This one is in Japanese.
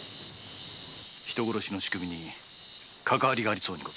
人殺しの仕組みにかかわりがあるやも。